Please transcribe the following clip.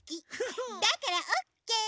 だからオッケー！